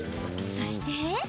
そして。